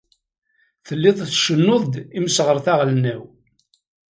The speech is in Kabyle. Telliḍ tcennuḍ-d imseɣret aɣelnaw.